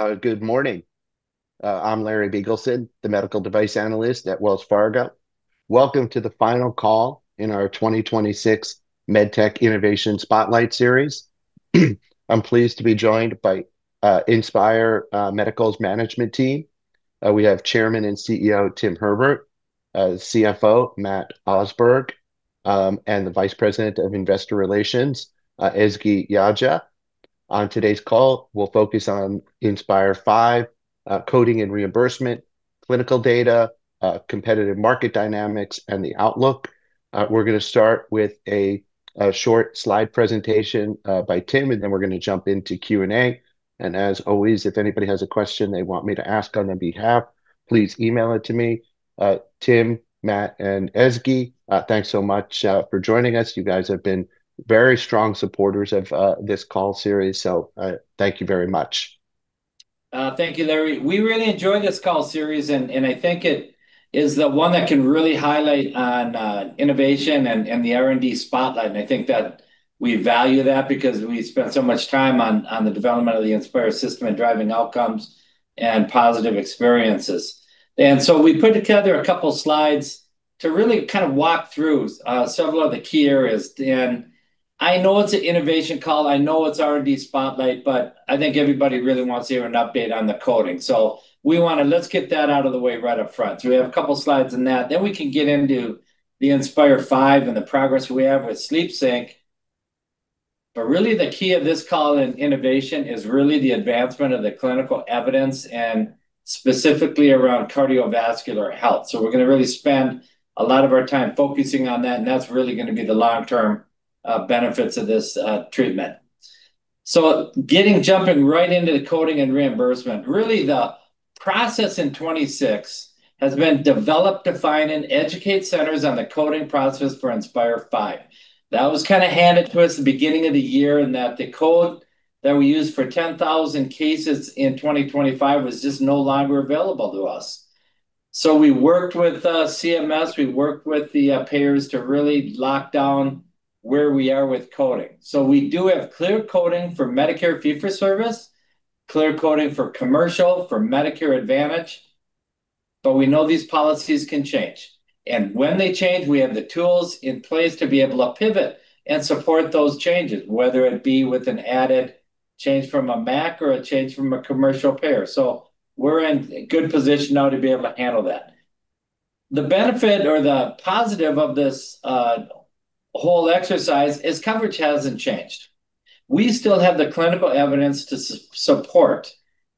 All right. Good morning. I'm Larry Biegelsen, the Medical Device Analyst at Wells Fargo. Welcome to the final call in our 2026 MedTech Innovation Spotlight Series. I'm pleased to be joined by Inspire Medical's management team. We have Chairman and CEO, Tim Herbert, CFO, Matt Osberg, and the Vice President of Investor Relations, Ezgi Yagci. On today's call, we'll focus on Inspire V, coding and reimbursement, clinical data, competitive market dynamics, and the outlook. We're going to start with a short slide presentation by Tim, then we're going to jump into Q&A. As always, if anybody has a question they want me to ask on their behalf, please email it to me. Tim, Matt, and Ezgi, thanks so much for joining us. You guys have been very strong supporters of this call series, so thank you very much. Thank you, Larry. We really enjoy this call series, I think it is the one that can really highlight on innovation and the R&D spotlight. I think that we value that because we spent so much time on the development of the Inspire system and driving outcomes and positive experiences. We put together a couple slides to really kind of walk through several of the key areas. I know it's an innovation call, I know it's R&D spotlight, but I think everybody really wants to hear an update on the coding. Let's get that out of the way right up front. We have a couple slides on that. We can get into the Inspire V and the progress we have with SleepSync. Really, the key of this call in innovation is really the advancement of the clinical evidence, specifically around cardiovascular health. We're going to really spend a lot of our time focusing on that's really going to be the long-term benefits of this treatment. Jumping right into the coding and reimbursement. Really, the process in 2026 has been develop, define, and educate centers on the coding process for Inspire V. That was kind of handed to us the beginning of the year, that the code that we used for 10,000 cases in 2025 was just no longer available to us. We worked with CMS, we worked with the payers to really lock down where we are with coding. We do have clear coding for Medicare Fee-for-Service, clear coding for commercial, for Medicare Advantage, but we know these policies can change. When they change, we have the tools in place to be able to pivot and support those changes, whether it be with an added change from a MAC or a change from a commercial payer. We're in a good position now to be able to handle that. The benefit or the positive of this whole exercise is coverage hasn't changed. We still have the clinical evidence to support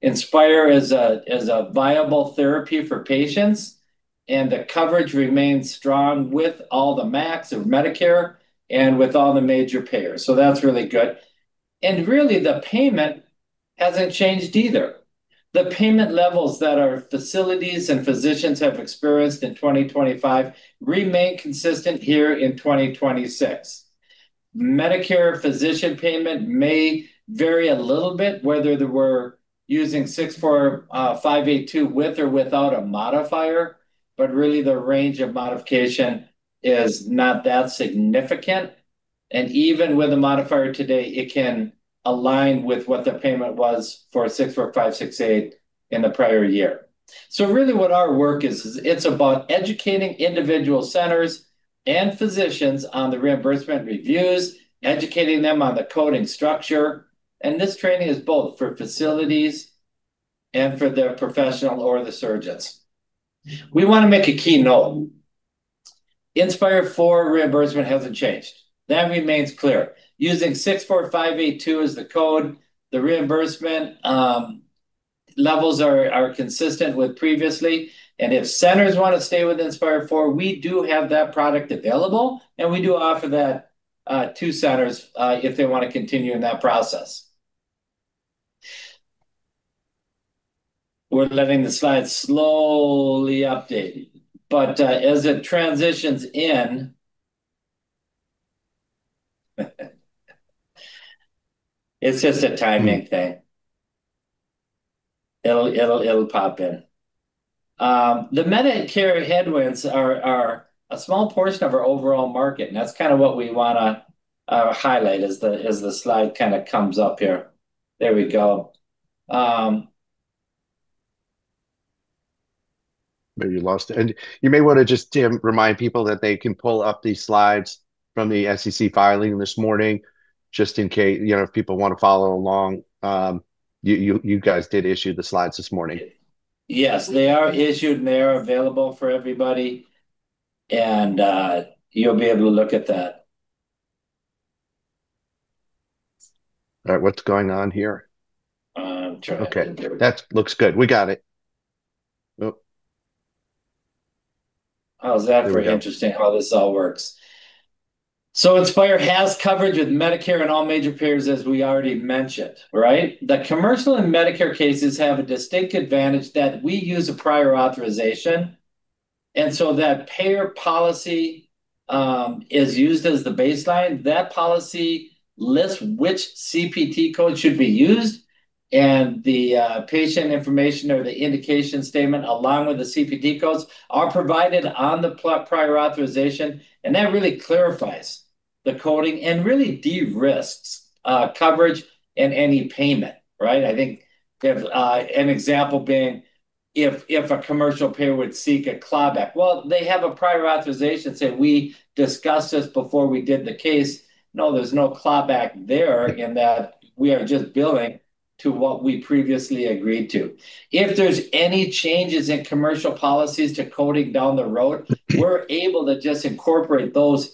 Inspire as a viable therapy for patients, the coverage remains strong with all the MACs of Medicare and with all the major payers. That's really good. Really, the payment hasn't changed either. The payment levels that our facilities and physicians have experienced in 2025 remain consistent here in 2026. Medicare physician payment may vary a little bit whether they were using CPT Code 64582 with or without a modifier, but really, the range of modification is not that significant. Even with a modifier today, it can align with what the payment was for CPT Code 64568 in the prior year. Really, what our work is, it's about educating individual centers and physicians on the reimbursement reviews, educating them on the coding structure, and this training is both for facilities and for their professional or the surgeons. We want to make a key note. Inspire IV reimbursement hasn't changed. That remains clear. Using CPT Code 64582 as the code, the reimbursement levels are consistent with previously, and if centers want to stay with Inspire IV, we do have that product available, and we do offer that to centers if they want to continue in that process. We're letting the slide slowly update. As it transitions in, it's just a timing thing. It'll pop in. The Medicare headwinds are a small portion of our overall market, that's kind of what we want to highlight as the slide kind of comes up here. There we go. Maybe you lost it. You may want to just, Tim, remind people that they can pull up these slides from the SEC filing this morning, just in case, if people want to follow along. You guys did issue the slides this morning. Yes. They are issued, they are available for everybody. You'll be able to look at that. All right. What's going on here? I'm trying. There we go. Okay. That looks good. We got it. Oh. How's that for interesting? There we go how this all works. Inspire has coverage with Medicare and all major payers, as we already mentioned, right? The commercial and Medicare cases have a distinct advantage that we use a prior authorization, and so that payer policy is used as the baseline. That policy lists which CPT Code should be used, and the patient information or the indication statement along with the CPT Codes are provided on the prior authorization, and that really clarifies the coding and really de-risks coverage and any payment, right? I think an example being if a commercial payer would seek a clawback. They have a prior authorization, say, we discussed this before we did the case. There's no clawback there in that we are just billing to what we previously agreed to. If there's any changes in commercial policies to coding down the road, we're able to just incorporate those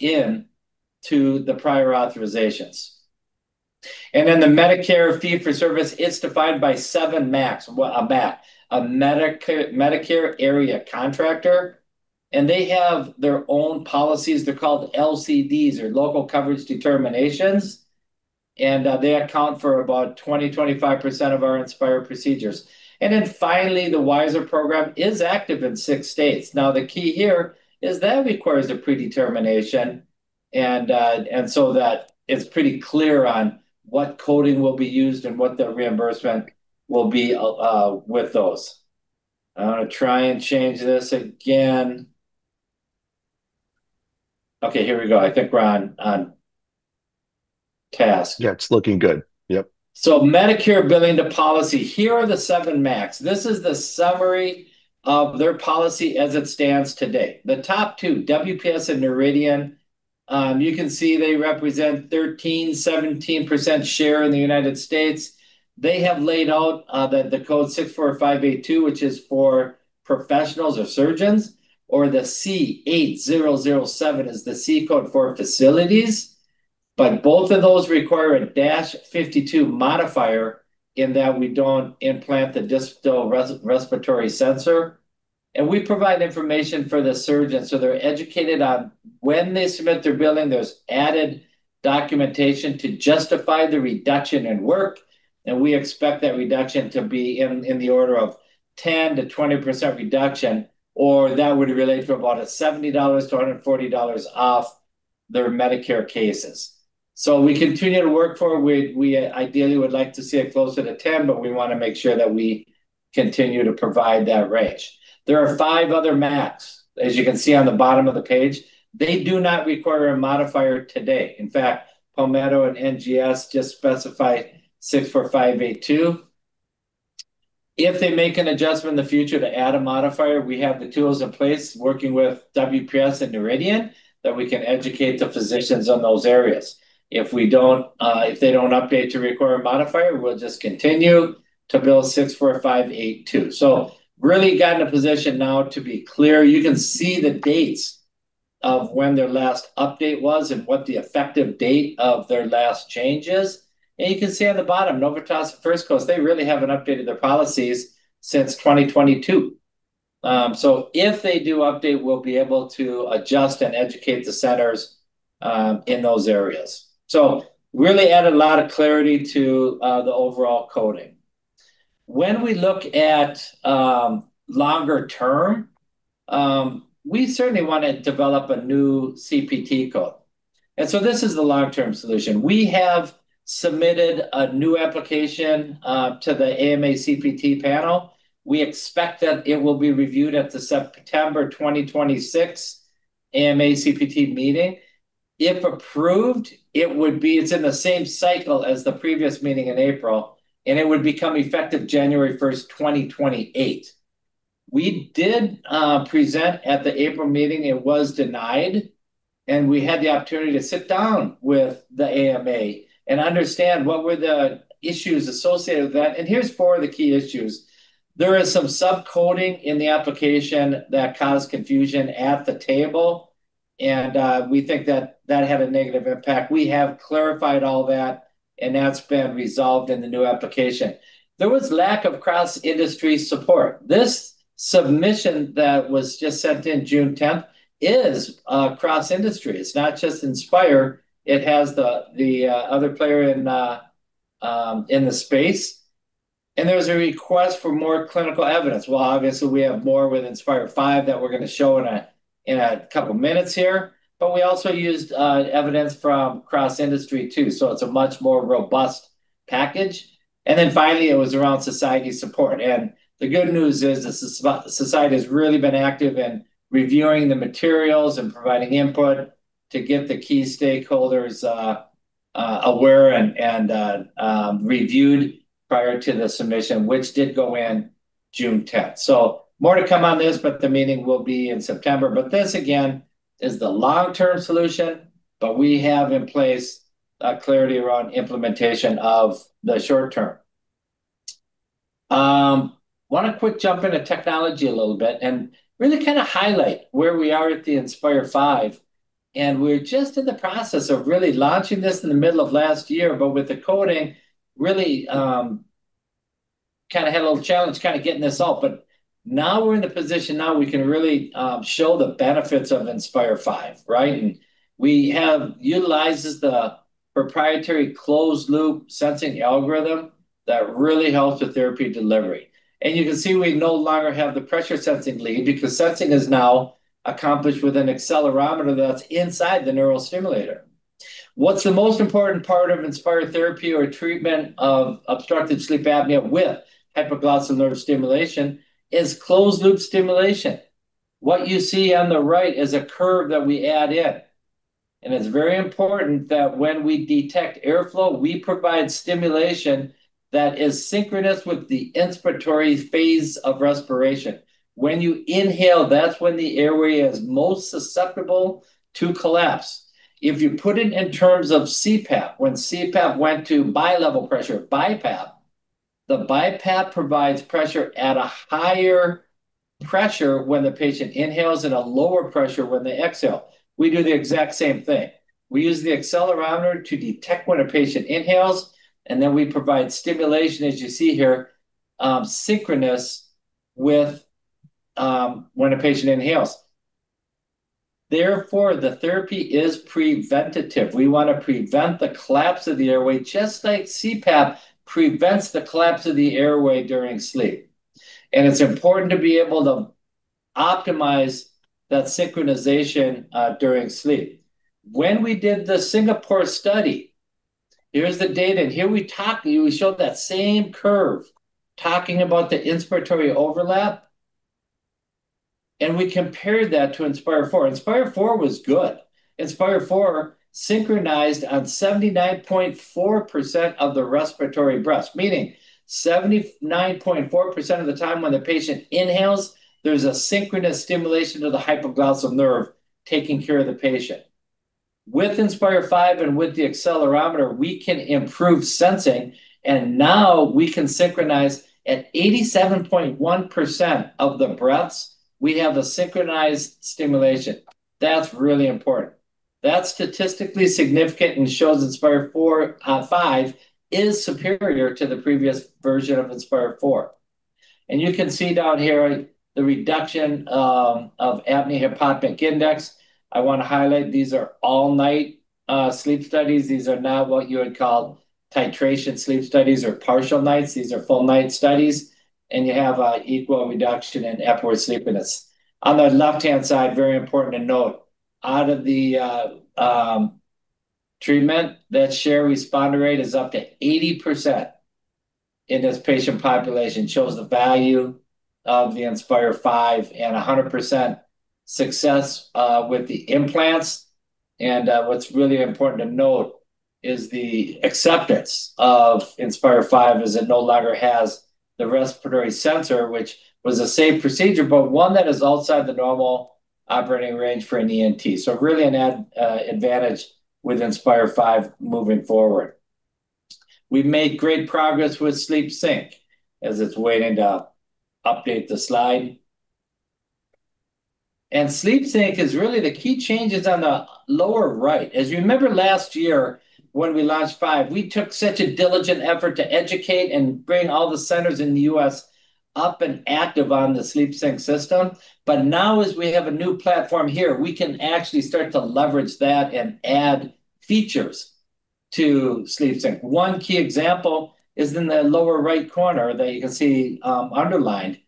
into the prior authorizations. The Medicare Fee-for-Service is defined by seven MACs, a MAC, a Medicare Area Contractor, and they have their own policies. They're called LCDs or Local Coverage Determinations, and they account for about 20%-25% of our Inspire procedures. Finally, the WISeR program is active in six states. The key here is that requires a predetermination, and so that it's pretty clear on what coding will be used and what the reimbursement will be with those. I'm going to try and change this again. Here we go. I think we're on task. It's looking good. Yep. Medicare billing to policy, here are the seven MACs. This is the summary of their policy as it stands today. The top two, WPS and Noridian, you can see they represent 13%, 17% share in the U.S. They have laid out the CPT Code 64582, which is for professionals or surgeons, or the C8007 is the C code for facilities. Both of those require a -52 modifier in that we don't implant the distal respiratory sensor. We provide information for the surgeon, so they're educated on when they submit their billing, there's added documentation to justify the reduction in work, and we expect that reduction to be in the order of 10%-20% reduction, or that would relate to about a $70-$140 off their Medicare cases. We continue to work toward, we ideally would like to see it closer to 10%, but we want to make sure that we continue to provide that range. There are five other MACs, as you can see on the bottom of the page. They do not require a modifier today. In fact, Palmetto and NGS just specify CPT Code 64582. If they make an adjustment in the future to add a modifier, we have the tools in place, working with WPS and Noridian, that we can educate the physicians on those areas. If they don't update to require a modifier, we'll just continue to bill CPT Code 64582. Really got in a position now to be clear. You can see the dates of when their last update was and what the effective date of their last change is. You can see on the bottom, Novitas and First Coast, they really haven't updated their policies since 2022. If they do update, we'll be able to adjust and educate the centers in those areas. Really added a lot of clarity to the overall coding. When we look at longer term, we certainly want to develop a new CPT Code. This is the long-term solution. We have submitted a new application to the AMA CPT panel. We expect that it will be reviewed at the September 2026 AMA CPT meeting. If approved, it's in the same cycle as the previous meeting in April, and it would become effective January 1st, 2028. We did present at the April meeting, it was denied, and we had the opportunity to sit down with the AMA and understand what were the issues associated with that. Here's four of the key issues. There is some sub-coding in the application that caused confusion at the table, and we think that had a negative impact. We have clarified all that, and that's been resolved in the new application. There was lack of cross-industry support. This submission that was just sent in June 10th is a cross-industry. It's not just Inspire. It has the other player in the space. There was a request for more clinical evidence. Obviously we have more with Inspire V that we're going to show in a couple minutes here, but we also used evidence from cross-industry too, so it's a much more robust package. Finally, it was around society support. The good news is the society has really been active in reviewing the materials and providing input to get the key stakeholders aware and reviewed prior to the submission, which did go in June 10. More to come on this, but the meeting will be in September. This again is the long-term solution, but we have in place clarity around implementation of the short-term. We want to quick jump into technology a little bit and really kind of highlight where we are at the Inspire V. We're just in the process of really launching this in the middle of last year, but with the coding, really kind of had a little challenge kind of getting this out. Now we're in the position now we can really show the benefits of Inspire V, right? We have utilized the proprietary closed-loop sensing algorithm that really helps with therapy delivery. You can see we no longer have the pressure sensing lead because sensing is now accomplished with an accelerometer that's inside the neural stimulator. What's the most important part of Inspire therapy or treatment of obstructive sleep apnea with hypoglossal nerve stimulation is closed-loop stimulation. What you see on the right is a curve that we add in, and it's very important that when we detect airflow, we provide stimulation that is synchronous with the inspiratory phase of respiration. When you inhale, that's when the airway is most susceptible to collapse. If you put it in terms of CPAP, when CPAP went to bi-level pressure, BiPAP, the BiPAP provides pressure at a higher pressure when the patient inhales and a lower pressure when they exhale. We do the exact same thing. We use the accelerometer to detect when a patient inhales, then we provide stimulation, as you see here, synchronous with when a patient inhales. Therefore, the therapy is preventative. We want to prevent the collapse of the airway, just like CPAP prevents the collapse of the airway during sleep. It's important to be able to optimize that synchronization during sleep. When we did the Singapore study, here's the data, and here we talked, we showed that same curve talking about the inspiratory overlap, and we compared that to Inspire IV. Inspire IV was good. Inspire IV synchronized on 79.4% of the respiratory breaths, meaning 79.4% of the time when the patient inhales, there's a synchronous stimulation of the hypoglossal nerve taking care of the patient. With Inspire V and with the accelerometer, we can improve sensing. Now we can synchronize at 87.1% of the breaths, we have a synchronized stimulation. That's really important. That's statistically significant and shows Inspire V is superior to the previous version of Inspire IV. You can see down here the reduction of Apnea-Hypopnea Index. I want to highlight, these are all-night sleep studies. These are not what you would call titration sleep studies or partial nights. These are full night studies, and you have equal reduction in Epworth sleepiness. On the left-hand side, very important to note, out of the treatment, that share responder rate is up to 80% in this patient population, shows the value of the Inspire V and 100% success with the implants. What's really important to note is the acceptance of Inspire V as it no longer has the respiratory sensor, which was a safe procedure, but one that is outside the normal operating range for an ENT. Really an advantage with Inspire V moving forward. We've made great progress with SleepSync as it's waiting to update the slide. SleepSync is really the key changes on the lower right. As you remember last year when we launched Inspire V, we took such a diligent effort to educate and bring all the centers in the U.S. up and active on the SleepSync system. Now as we have a new platform here, we can actually start to leverage that and add features to SleepSync. One key example is in the lower right corner that you can see underlined.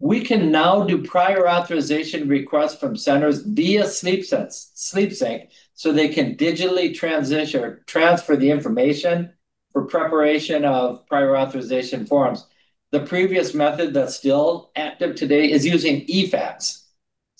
We can now do prior authorization requests from centers via SleepSync, they can digitally transfer the information for preparation of prior authorization forms. The previous method that's still active today is using eFax.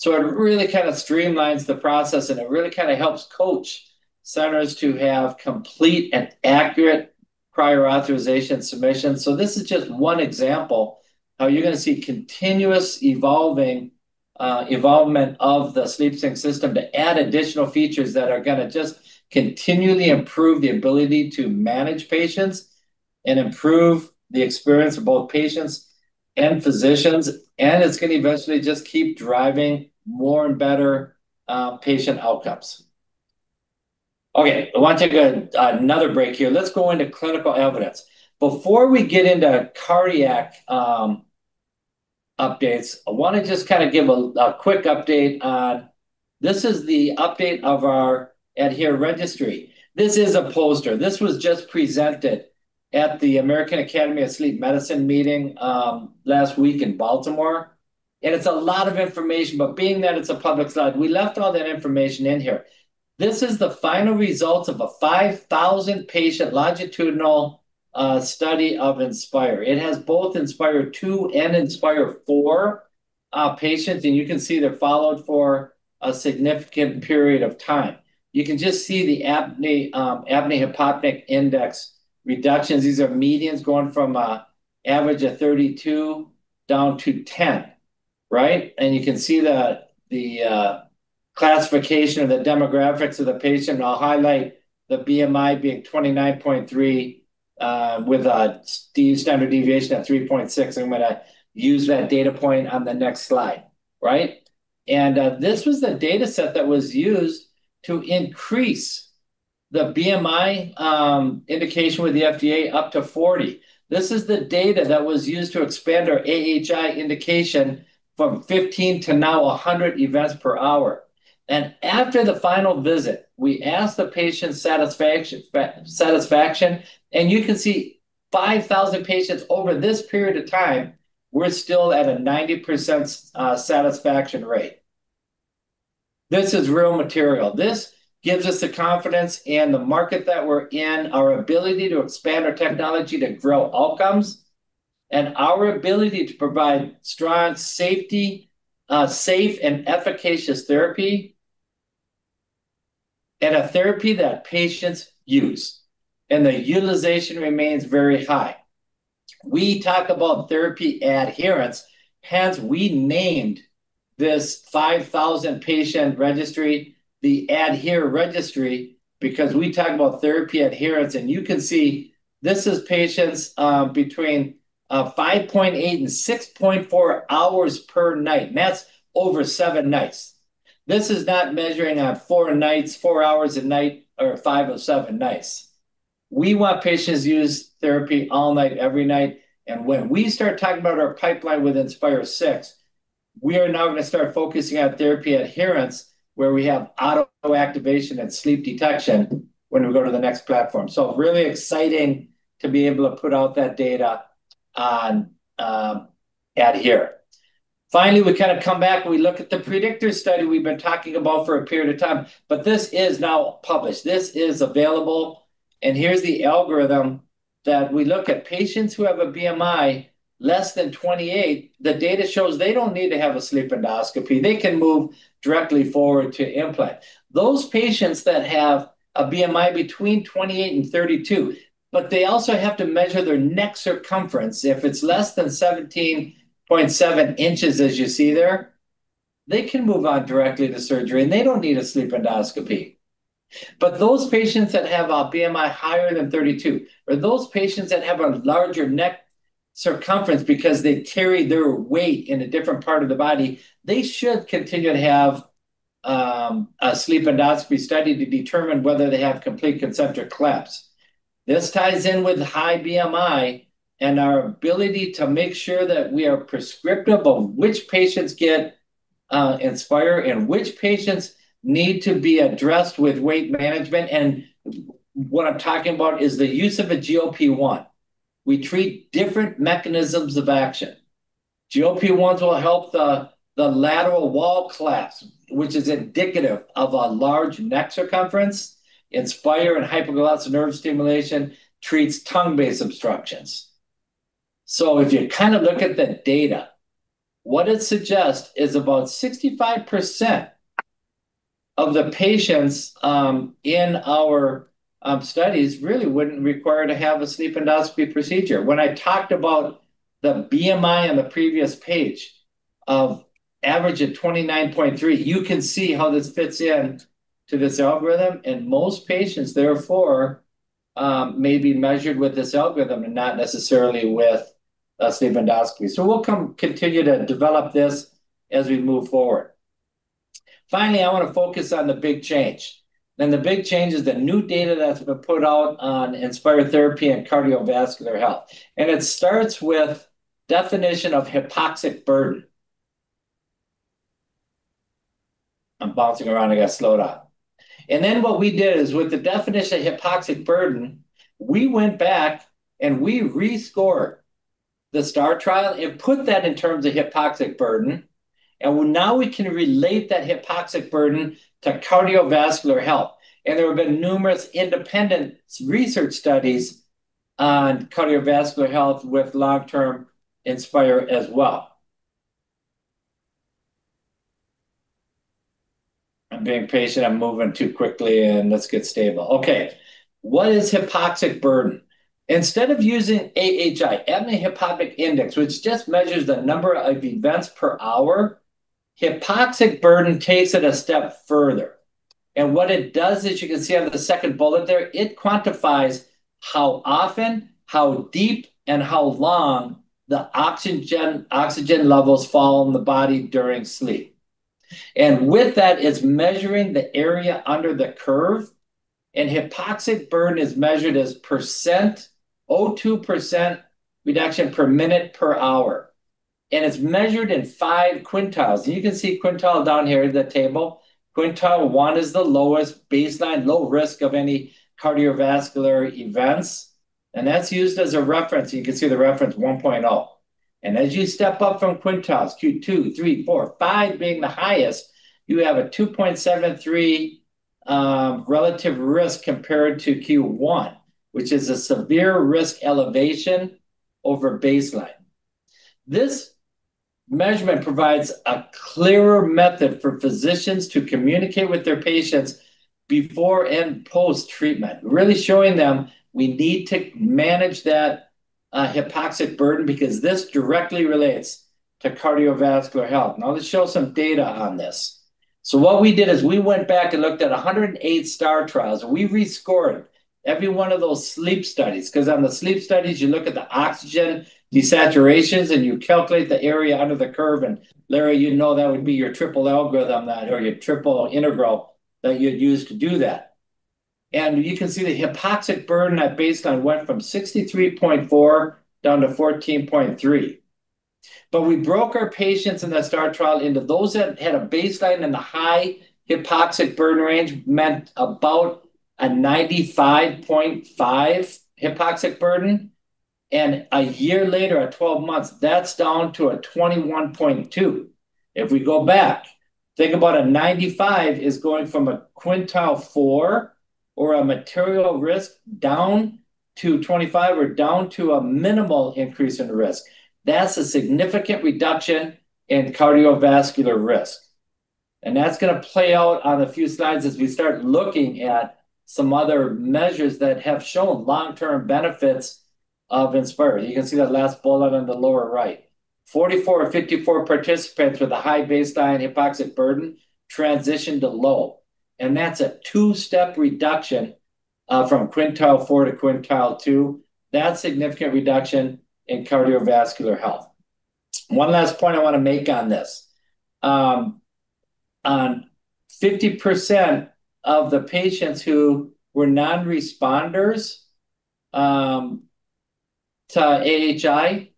It really streamlines the process, it really helps coach centers to have complete and accurate prior authorization submissions. This is just one example how you're going to see continuous evolvement of the SleepSync system to add additional features that are going to just continually improve the ability to manage patients and improve the experience of both patients and physicians. It's going to eventually just keep driving more and better patient outcomes. Okay, I want to take another break here. Let's go into clinical evidence. Before we get into cardiac updates, I want to just give a quick update on. This is the update of our ADHERE Registry. This is a poster. This was just presented at the American Academy of Sleep Medicine meeting last week in Baltimore, it's a lot of information, but being that it's a public slide, we left all that information in here. This is the final results of a 5,000 patient longitudinal study of Inspire. It has both Inspire II and Inspire IV patients, you can see they're followed for a significant period of time. You can just see the Apnea-Hypopnea Index reductions. These are medians going from an average of 32 down to 10. Right? You can see the classification of the demographics of the patient, I'll highlight the BMI being 29.3 kg/sq m, with the standard deviation at 3.6 kg/ sq m, I'm going to use that data point on the next slide. Right? This was the data set that was used to increase the BMI indication with the FDA up to 40 kg/ sq m. This is the data that was used to expand our AHI indication from 15 to now 100 events per hour. After the final visit, we asked the patient satisfaction, you can see 5,000 patients over this period of time were still at a 90% satisfaction rate. This is real material. This gives us the confidence in the market that we're in, our ability to expand our technology to grow outcomes, our ability to provide strong safety, safe and efficacious therapy, a therapy that patients use, the utilization remains very high. We talk about therapy adherence, hence we named this 5,000-patient registry the ADHERE registry because we talk about therapy adherence. You can see this is patients between 5.8 and 6.4 hours per night, that's over seven nights. This is not measuring at four nights, four hours a night, or five of seven nights. We want patients use therapy all night, every night. When we start talking about our pipeline with Inspire VI, we are now going to start focusing on therapy adherence, where we have auto-activation and sleep detection when we go to the next platform. Really exciting to be able to put out that data on ADHERE. Finally, we kind of come back. We look at the PREDICTOR study we've been talking about for a period of time, but this is now published. This is available, here's the algorithm that we look at patients who have a BMI less than 28 kg/ sq m. The data shows they don't need to have a sleep endoscopy. They can move directly forward to implant. Those patients that have a BMI between 28 kg/sq m and 32 kg/sq m, they also have to measure their neck circumference. If it's less than 17.7 in as you see there, they can move on directly to surgery, they don't need a sleep endoscopy. Those patients that have a BMI higher than 32 kg/sq m or those patients that have a larger neck circumference because they carry their weight in a different part of the body, they should continue to have a sleep endoscopy study to determine whether they have complete concentric collapse. This ties in with high BMI and our ability to make sure that we are prescriptive of which patients get Inspire and which patients need to be addressed with weight management. What I'm talking about is the use of a GLP-1. We treat different mechanisms of action. GLP-1s will help the lateral wall collapse, which is indicative of a large neck circumference. Inspire and hypoglossal nerve stimulation treats tongue-based obstructions. If you kind of look at the data, what it suggests is about 65% of the patients in our studies really wouldn't require to have a sleep endoscopy procedure. When I talked about the BMI on the previous page of average of 29.3 kg/sq m, you can see how this fits in to this algorithm. Most patients, therefore, may be measured with this algorithm and not necessarily with a sleep endoscopy. We'll continue to develop this as we move forward. Finally, I want to focus on the big change. The big change is the new data that's been put out on Inspire therapy and cardiovascular health. It starts with definition of hypoxic burden. I'm bouncing around. I got to slow down. What we did is with the definition of hypoxic burden, we went back and we rescored the STAR trial and put that in terms of hypoxic burden, now we can relate that hypoxic burden to cardiovascular health. There have been numerous independent research studies on cardiovascular health with long-term Inspire as well. I'm being patient. I'm moving too quickly, let's get stable. Okay. What is hypoxic burden? Instead of using AHI, Apnea-Hypopnea Index, which just measures the number of events per hour, hypoxic burden takes it a step further. What it does is, you can see under the second bullet there, it quantifies how often, how deep, and how long the oxygen levels fall in the body during sleep. With that, it's measuring the area under the curve, hypoxic burden is measured as percent, O2 percent reduction per minute per hour. It's measured in five quintiles. You can see quintile down here in the table. Quintile 1 is the lowest baseline, low risk of any cardiovascular events, and that's used as a reference. You can see the reference, 1.0. As you step up from quintiles, Q2, Q3, Q4, Q5 being the highest, you have a 2.73 relative risk compared to Q1, which is a severe risk elevation over baseline. This measurement provides a clearer method for physicians to communicate with their patients before and post-treatment, really showing them we need to manage that hypoxic burden because this directly relates to cardiovascular health. Now, let's show some data on this. What we did is we went back and looked at 108 STAR trials, and we rescored every one of those sleep studies because on the sleep studies, you look at the oxygen desaturations, and you calculate the area under the curve. Larry, you know that would be your triple algorithm or your triple integral that you'd use to do that. You can see the hypoxic burden at baseline went from 63.4%-minutes per hour down to 14.3%-minutes per hour. We broke our patients in that STAR trial into those that had a baseline in the high hypoxic burden range, meant about a 95.5%-minutes per hour hypoxic burden. A year later, at 12 months, that's down to a 21.2%-minutes per hour. If we go back, think about a 95%-minutes per hour is going from a Quintile 4 or a material risk down to 25%-minutes per hour, or down to a minimal increase in risk. That's a significant reduction in cardiovascular risk, and that's going to play out on a few slides as we start looking at some other measures that have shown long-term benefits of Inspire. You can see that last bullet on the lower right. 44 of 54 participants with a high baseline hypoxic burden transitioned to low, and that's a two-step reduction from Quintile 4 to Quintile 2. That's significant reduction in cardiovascular health. One last point I want to make on this. On 50% of the patients who were non-responders to AHI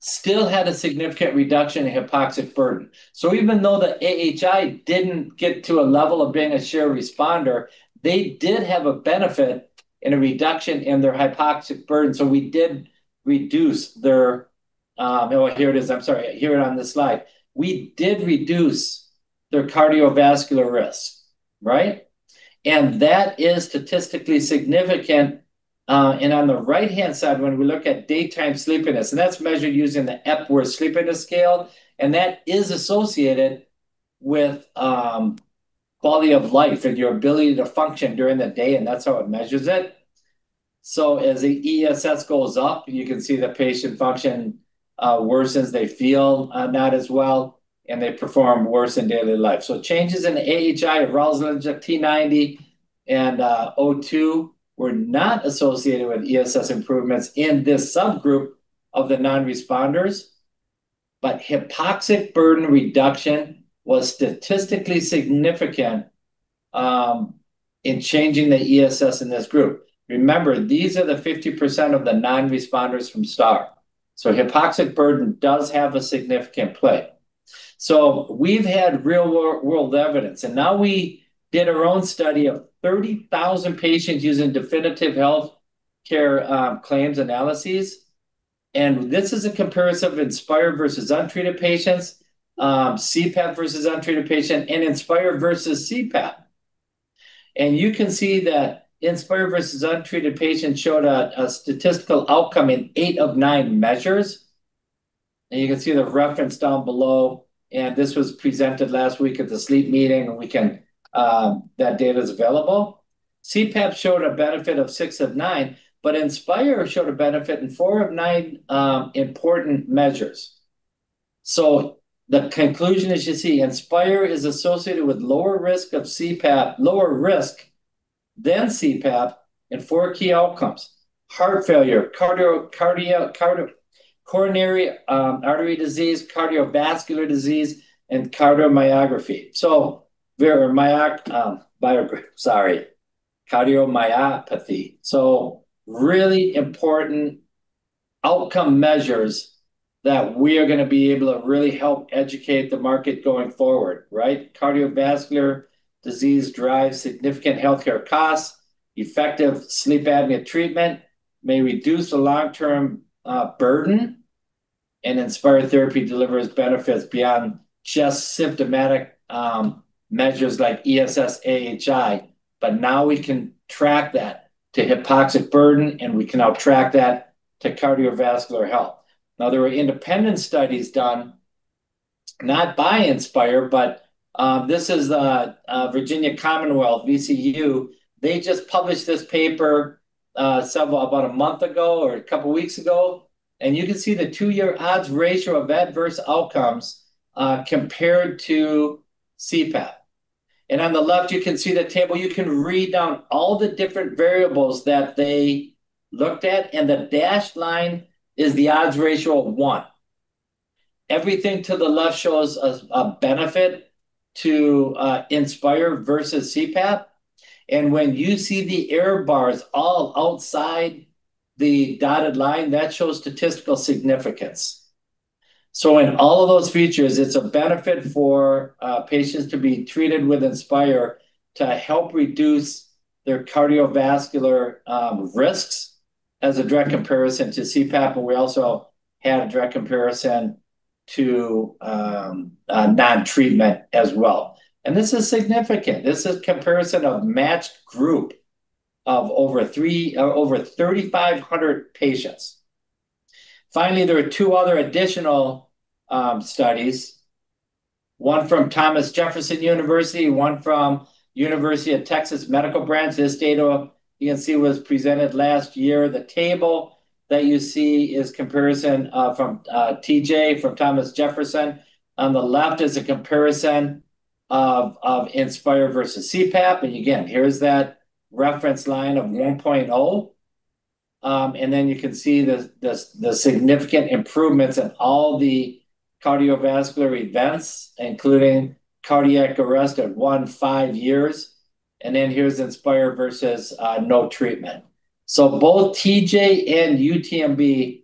still had a significant reduction in hypoxic burden. Even though the AHI didn't get to a level of being a share responder, they did have a benefit and a reduction in their hypoxic burden. We did reduce their. Oh, here it is, I'm sorry. Here on this slide. We did reduce their cardiovascular risk, right? That is statistically significant. On the right-hand side, when we look at daytime sleepiness, and that's measured using the Epworth Sleepiness Scale, and that is associated with quality of life and your ability to function during the day, and that's how it measures it. As the ESS goes up, you can see the patient function worsens, they feel not as well, and they perform worse in daily life. Changes in AHI, arousal index, T90, and O2 were not associated with ESS improvements in this subgroup of the non-responders, but hypoxic burden reduction was statistically significant in changing the ESS in this group. Remember, these are the 50% of the non-responders from STAR. Hypoxic burden does have a significant play. We've had real-world evidence, and now we did our own study of 30,000 patients using Definitive Healthcare claims analyses. This is a comparison of Inspire versus untreated patients, CPAP versus untreated patient, and Inspire versus CPAP. You can see that Inspire versus untreated patients showed a statistical outcome in eight of nine measures, and you can see the reference down below, and this was presented last week at the sleep meeting, and that data is available. CPAP showed a benefit of six of nine, but Inspire showed a benefit in four of nine important measures. The conclusion is, you see Inspire is associated with lower risk than CPAP in four key outcomes: heart failure, coronary artery disease, cardiovascular disease, and cardiomyopathy. Really important outcome measures that we are going to be able to really help educate the market going forward, right? Cardiovascular disease drives significant healthcare costs. Effective sleep apnea treatment may reduce the long-term burden, Inspire therapy delivers benefits beyond just symptomatic measures like ESS, AHI. Now we can track that to hypoxic burden, and we can now track that to cardiovascular health. There were independent studies done not by Inspire, but this is Virginia Commonwealth, VCU. They just published this paper about a month ago or a couple of weeks ago, and you can see the two-year odds ratio of adverse outcomes compared to CPAP. On the left, you can see the table, you can read down all the different variables that they looked at, and the dashed line is the odds ratio of one. Everything to the left shows a benefit to Inspire versus CPAP, and when you see the error bars all outside the dotted line, that shows statistical significance. In all of those features, it's a benefit for patients to be treated with Inspire to help reduce their cardiovascular risks as a direct comparison to CPAP, we also had a direct comparison to non-treatment as well. This is significant. This is a comparison of matched group of over 3,500 patients. Finally, there are two other additional studies, one from Thomas Jefferson University, one from University of Texas Medical Branch. This data you can see was presented last year. The table that you see is comparison from TJ, from Thomas Jefferson. On the left is a comparison of Inspire versus CPAP. Again, here is that reference line of 1.0. You can see the significant improvements in all the cardiovascular events, including cardiac arrest at one, five years. Here's Inspire versus no treatment. Both TJ and UTMB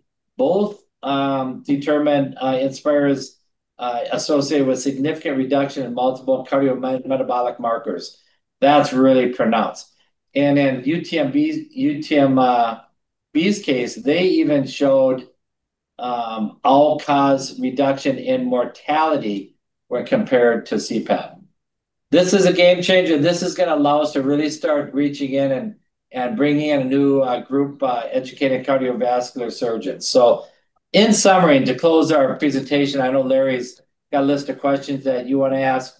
determine Inspire's associated with significant reduction in multiple cardiometabolic markers. That's really pronounced. In UTMB's case, they even showed all-cause reduction in mortality when compared to CPAP. This is a game changer. This is going to allow us to really start reaching in and bringing in a new group, educated cardiovascular surgeons. In summary, to close our presentation, I know Larry's got a list of questions that you want to ask,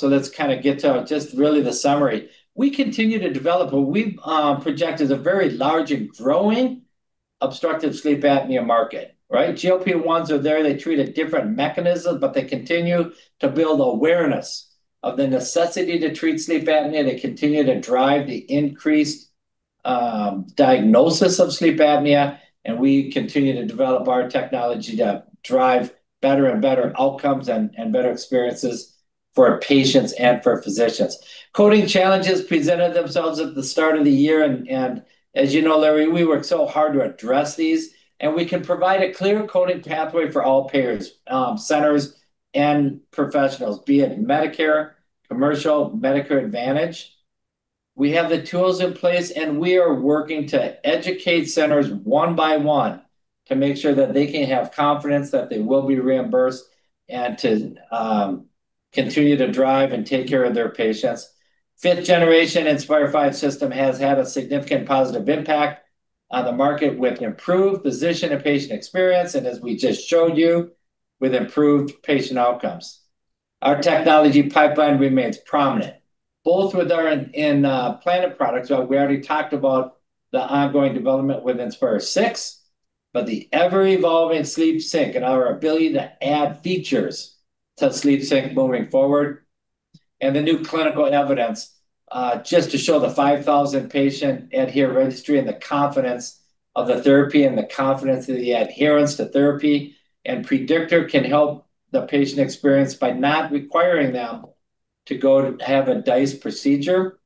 let's get to just really the summary. We continue to develop what we project as a very large and growing obstructive sleep apnea market, right? GLP-1s are there. They treat a different mechanism, but they continue to build awareness of the necessity to treat sleep apnea. They continue to drive the increased diagnosis of sleep apnea. We continue to develop our technology to drive better and better outcomes and better experiences for our patients and for physicians. Coding challenges presented themselves at the start of the year. As you know, Larry, we worked so hard to address these. We can provide a clear coding pathway for all payers, centers and professionals, be it Medicare, commercial, Medicare Advantage. We have the tools in place. We are working to educate centers one by one to make sure that they can have confidence that they will be reimbursed. To continue to drive and take care of their patients, fifth-generation Inspire V system has had a significant positive impact on the market with improved physician and patient experience. As we just showed you, with improved patient outcomes. Our technology pipeline remains prominent, both in implant products. We already talked about the ongoing development with Inspire VI. The ever-evolving SleepSync and our ability to add features to SleepSync moving forward and the new clinical evidence, just to show the 5,000 patient ADHERE registry and the confidence of the therapy and the confidence of the adherence to therapy and PREDICTOR can help the patient experience by not requiring them to go to have a DISE procedure.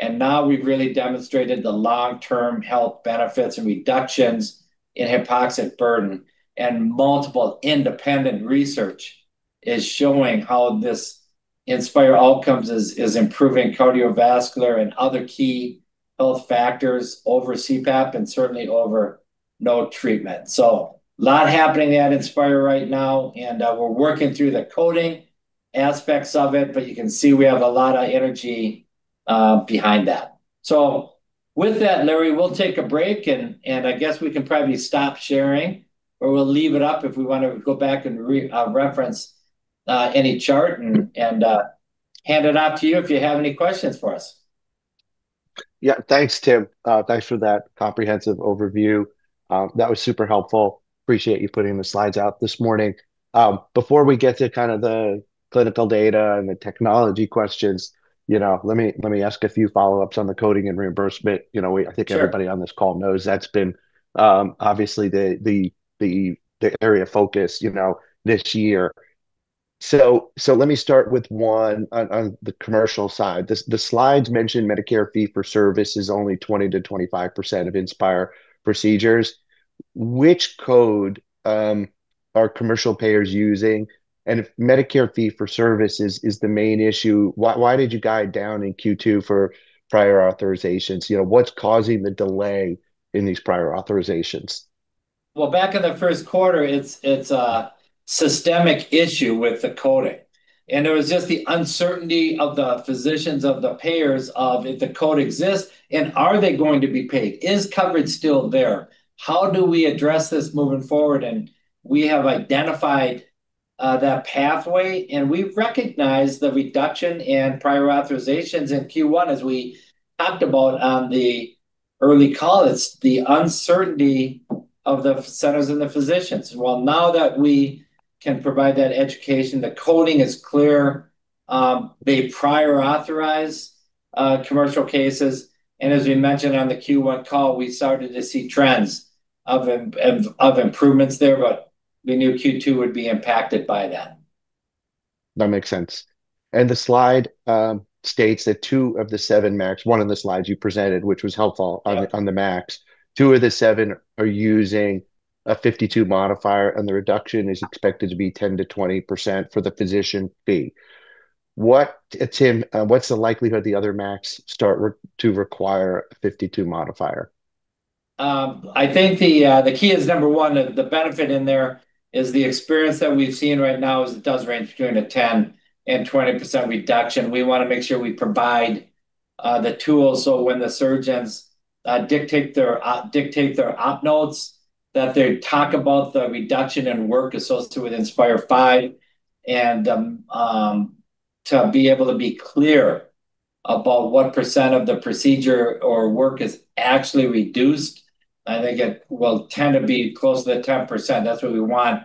Now we've really demonstrated the long-term health benefits and reductions in hypoxic burden. Multiple independent research is showing how this Inspire outcomes is improving cardiovascular and other key health factors over CPAP and certainly over no treatment. A lot happening at Inspire right now. We're working through the coding aspects of it, but you can see we have a lot of energy behind that. With that, Larry, we'll take a break. I guess we can probably stop sharing. We'll leave it up if we want to go back and reference any chart and hand it off to you if you have any questions for us. Yeah. Thanks, Tim. Thanks for that comprehensive overview. That was super helpful. Appreciate you putting the slides out this morning. Before we get to kind of the clinical data and the technology questions, let me ask a few follow-ups on the coding and reimbursement. Sure. I think everybody on this call knows that's been obviously the area of focus this year. Let me start with one on the commercial side. The slides mention Medicare Fee-for-Service is only 20%-25% of Inspire procedures. Which code are commercial payers using? If Medicare Fee-for-Service is the main issue, why did you guide down in Q2 for prior authorizations? What's causing the delay in these prior authorizations? Back in the first quarter, it's a systemic issue with the coding. It was just the uncertainty of the physicians, of the payers of if the code exists and are they going to be paid? Is coverage still there? How do we address this moving forward? We have identified that pathway, and we've recognized the reduction in prior authorizations in Q1 as we talked about on the early call. It's the uncertainty of the centers and the physicians. Now that we can provide that education, the coding is clear. They prior authorize commercial cases, as we mentioned on the Q1 call, we started to see trends of improvements there, but we knew Q2 would be impacted by that. That makes sense. The slide states that two of the seven MACs, one of the slides you presented, which was helpful. Yeah On the MACs, two of the seven are using a -52 modifier. The reduction is expected to be 10%-20% for the physician B. Tim, what's the likelihood the other MACs start to require a -52 modifier? I think the key is, number one, the benefit in there is the experience that we've seen right now is it does range between a 10% and 20% reduction. We want to make sure we provide the tools, so when the surgeons dictate their op notes, that they talk about the reduction in work associated with Inspire V, and to be able to be clear about what percent of the procedure or work is actually reduced. And again, will tend to be close to the 10%. That's what we want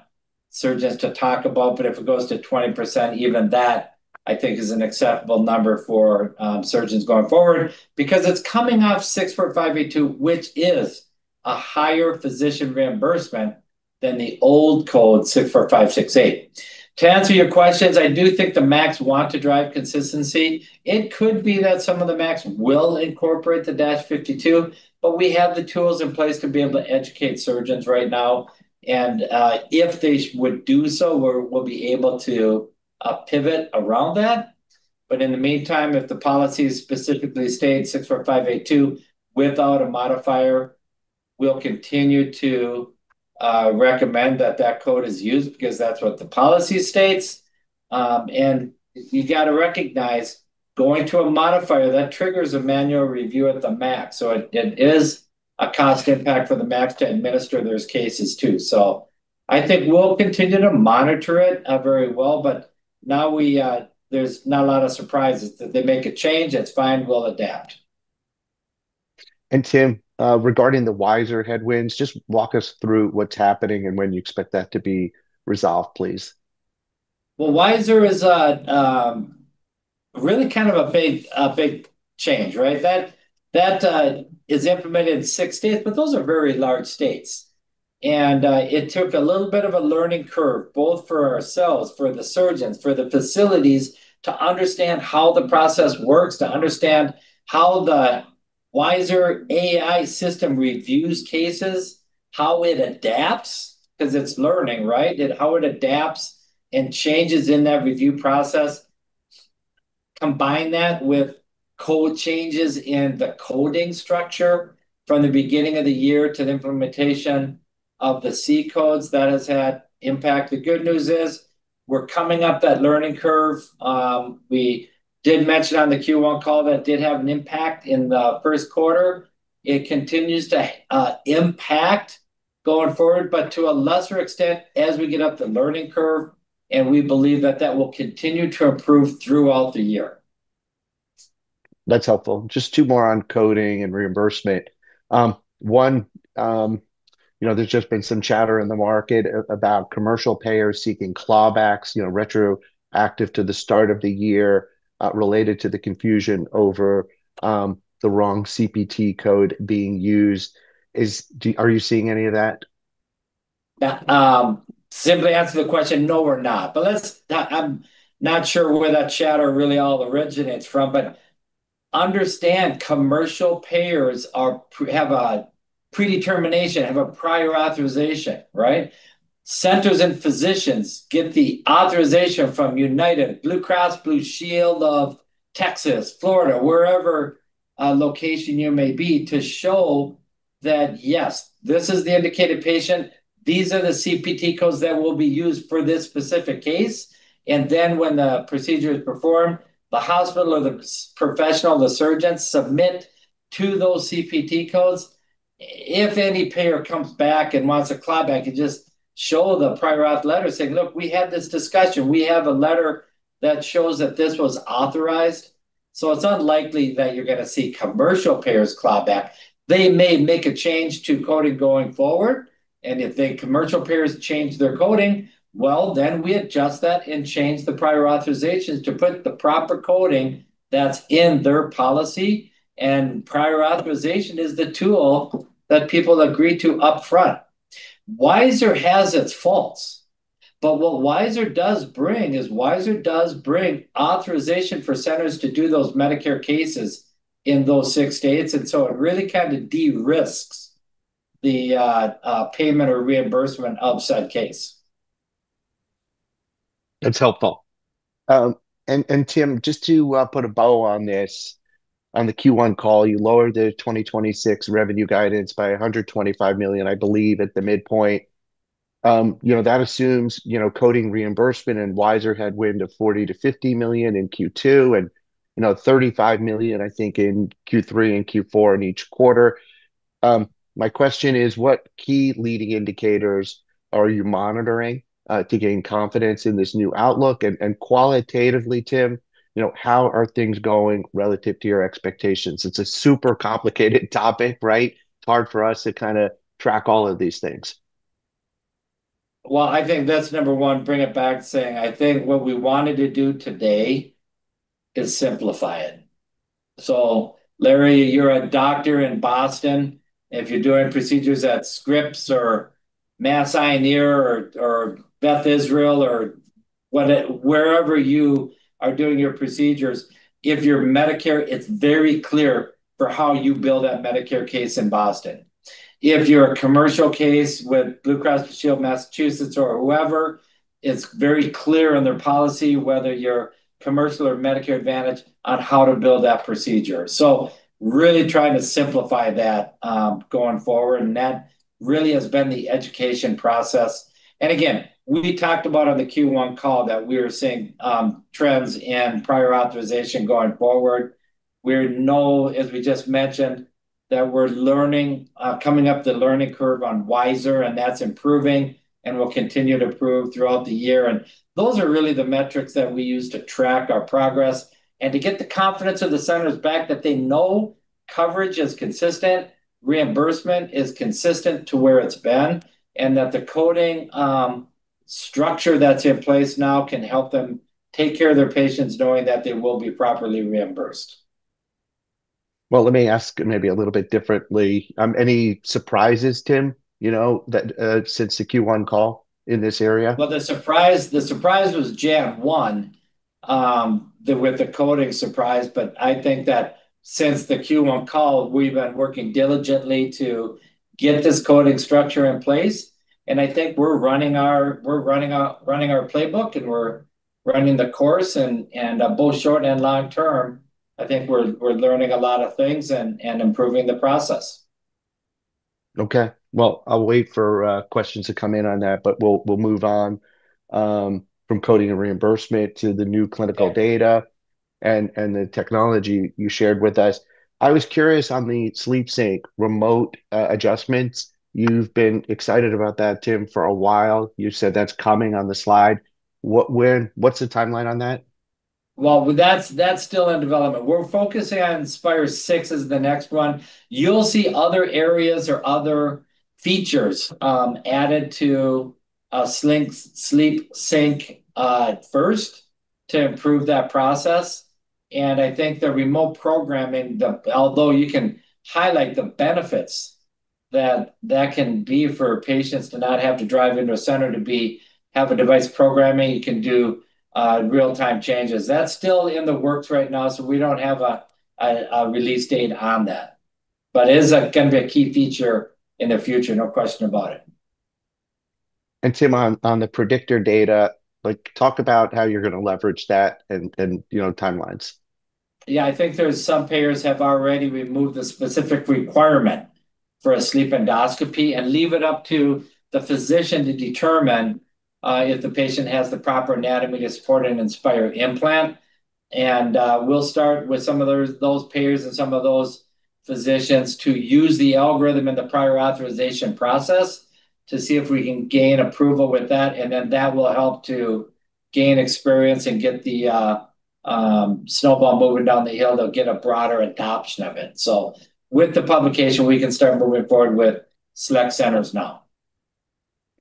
surgeons to talk about. If it goes to 20%, even that, I think is an acceptable number for surgeons going forward because it's coming off CPT Code 64582, which is a higher physician reimbursement than the old code CPT Code 64568. To answer your questions, I do think the MACs want to drive consistency. It could be that some of the MACs will incorporate the -52, but we have the tools in place to be able to educate surgeons right now. If they would do so, we'll be able to pivot around that. In the meantime, if the policy specifically states CPT Code 64582 without a modifier, we'll continue to recommend that that code is used because that's what the policy states. You got to recognize, going to a modifier, that triggers a manual review at the MAC. It is a cost impact for the MACs to administer those cases, too. I think we'll continue to monitor it very well, but now there's not a lot of surprises. If they make a change, that's fine. We'll adapt. Tim, regarding the WISeR headwinds, just walk us through what's happening and when you expect that to be resolved, please. WISeR is really kind of a big change, right? That is implemented in six states, but those are very large states. It took a little bit of a learning curve, both for ourselves, for the surgeons, for the facilities, to understand how the process works, to understand how the WISeR AI system reviews cases, how it adapts, because it's learning, right? How it adapts and changes in that review process. Combine that with code changes in the coding structure from the beginning of the year to the implementation of the C-codes, that has had impact. The good news is we're coming up that learning curve. We did mention on the Q1 call that it did have an impact in the first quarter. It continues to impact going forward, but to a lesser extent as we get up the learning curve, and we believe that that will continue to improve throughout the year. That's helpful. Just two more on coding and reimbursement. One, there's just been some chatter in the market about commercial payers seeking clawbacks, retroactive to the start of the year, related to the confusion over the wrong CPT code being used. Are you seeing any of that? Simply answer the question, no, we're not. I'm not sure where that chatter really all originates from. Understand, commercial payers have a predetermination, have a prior authorization, right? Centers and physicians get the authorization from United, Blue Cross Blue Shield of Texas, Florida, wherever location you may be, to show that, yes, this is the indicated patient. These are the CPT codes that will be used for this specific case. When the procedure is performed, the hospital or the professional, the surgeons, submit to those CPT codes. If any payer comes back and wants a clawback, you just show the prior auth letter saying, look, we had this discussion. We have a letter that shows that this was authorized. It's unlikely that you're going to see commercial payers clawback. They may make a change to coding going forward, if the commercial payers change their coding, well, then we adjust that and change the prior authorizations to put the proper coding that's in their policy. Prior authorization is the tool that people agree to upfront. WISeR has its faults, what WISeR does bring is WISeR does bring authorization for centers to do those Medicare cases in those six states, it really kind of de-risks the payment or reimbursement of said case. That's helpful. Tim, just to put a bow on this, on the Q1 call, you lowered the 2026 revenue guidance by $125 million, I believe, at the midpoint. That assumes coding reimbursement and WISeR headwind of $40 million-$50 million in Q2 and $35 million, I think, in Q3 and Q4 in each quarter. My question is, what key leading indicators are you monitoring to gain confidence in this new outlook? Qualitatively, Tim, how are things going relative to your expectations? It's a super complicated topic, right? It's hard for us to track all of these things. Well, I think that's number one, bring it back saying, I think what we wanted to do today is simplify it. Larry, you're a doctor in Boston. If you're doing procedures at Scripps or Mass Eye and Ear or Beth Israel or wherever you are doing your procedures, if you're Medicare, it's very clear for how you bill that Medicare case in Boston. If you're a commercial case with Blue Cross Blue Shield, Massachusetts, or whoever, it's very clear in their policy, whether you're commercial or Medicare Advantage, on how to bill that procedure. Really trying to simplify that going forward, and that really has been the education process. Again, we talked about on the Q1 call that we are seeing trends in prior authorization going forward. We know, as we just mentioned, that we're coming up the learning curve on WISeR, and that's improving and will continue to improve throughout the year. Those are really the metrics that we use to track our progress and to get the confidence of the centers back that they know coverage is consistent, reimbursement is consistent to where it's been, and that the coding structure that's in place now can help them take care of their patients knowing that they will be properly reimbursed. Well, let me ask maybe a little bit differently. Any surprises, Tim, since the Q1 call in this area? Well, the surprise was January 1, with the coding surprise. I think that since the Q1 call, we've been working diligently to get this coding structure in place. I think we're running our playbook, and we're running the course. Both short and long term, I think we're learning a lot of things and improving the process. Okay. Well, I'll wait for questions to come in on that, but we'll move on from coding and reimbursement to the new clinical data and the technology you shared with us. I was curious on the SleepSync remote adjustments. You've been excited about that, Tim, for a while. You said that's coming on the slide. What's the timeline on that? Well, that's still in development. We're focusing on Inspire VI as the next one. You'll see other areas or other features added to SleepSync first to improve that process. I think the remote programming, although you can highlight the benefits that that can be for patients to not have to drive into a center to have a device programming, you can do real-time changes. That's still in the works right now, so we don't have a release date on that. It is going to be a key feature in the future, no question about it. Tim, on the predictor data, talk about how you're going to leverage that and timelines. I think there's some payers have already removed the specific requirement for a sleep endoscopy and leave it up to the physician to determine if the patient has the proper anatomy to support an Inspire implant. We'll start with some of those payers and some of those physicians to use the algorithm in the prior authorization process to see if we can gain approval with that will help to gain experience and get the snowball moving down the hill to get a broader adoption of it. With the publication, we can start moving forward with select centers now.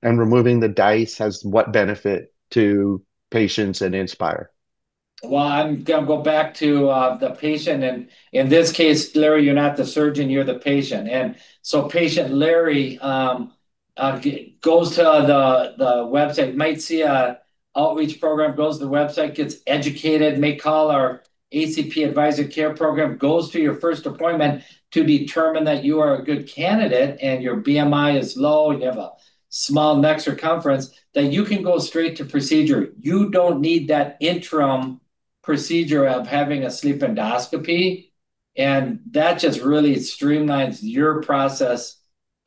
Removing the DISE has what benefit to patients and Inspire? I'm going to go back to the patient. In this case, Larry, you're not the surgeon, you're the patient. Patient Larry goes to the website, might see an outreach program, goes to the website, gets educated, may call our ACP Advisory Care program, goes to your first appointment to determine that you are a good candidate and your BMI is low, you have a small neck circumference, then you can go straight to procedure. You don't need that interim procedure of having a sleep endoscopy. That just really streamlines your process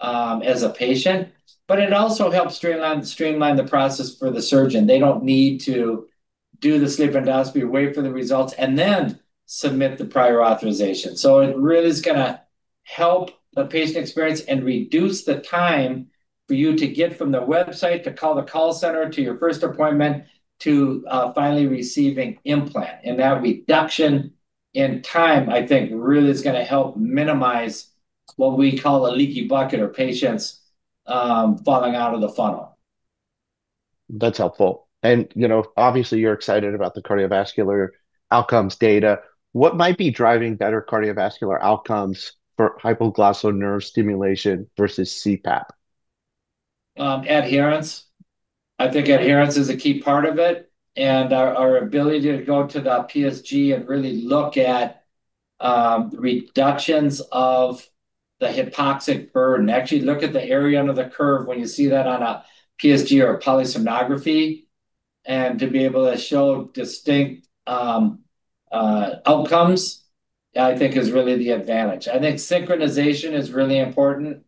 as a patient, but it also helps streamline the process for the surgeon. They don't need to do the sleep endoscopy, wait for the results, and then submit the prior authorization. It really is going to help the patient experience and reduce the time for you to get from the website to call the call center to your first appointment to finally receiving implant. That reduction in time, I think, really is going to help minimize what we call a leaky bucket of patients falling out of the funnel. That's helpful. Obviously, you're excited about the cardiovascular outcomes data. What might be driving better cardiovascular outcomes for hypoglossal nerve stimulation versus CPAP? Adherence. I think adherence is a key part of it. Our ability to go to the PSG and really look at reductions of the hypoxic burden. Actually look at the area under the curve when you see that on a PSG or a polysomnography, to be able to show distinct outcomes, I think is really the advantage. I think synchronization is really important,